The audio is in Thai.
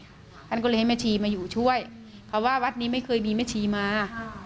ท่านก็เลยให้แม่ชีมาอยู่ช่วยเพราะว่าวัดนี้ไม่เคยมีแม่ชีมา